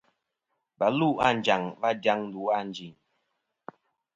Và lu a Anjaŋ va dyaŋ ndu a Ànjin.